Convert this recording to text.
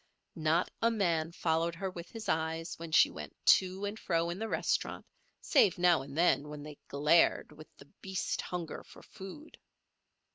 Not a man followed her with his eyes when she went to and fro in the restaurant save now and then when they glared with the beast hunger for food.